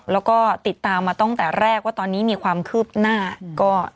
แล้วก็ติดตามมาตั้งแต่แรกว่าตอนนี้มีความคืบหน้าก็